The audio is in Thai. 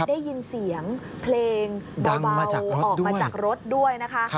ได้ยินเสียงเพลงเบาออกมาจากรถด้วยนะคะ